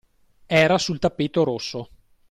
Era sul tappeto rosso.